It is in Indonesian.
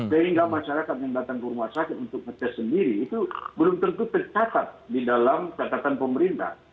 sehingga masyarakat yang datang ke rumah sakit untuk ngetes sendiri itu belum tentu tercatat di dalam catatan pemerintah